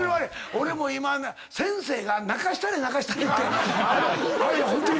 俺も今先生が「泣かしたれ泣かしたれ」ってあれはホントにもう。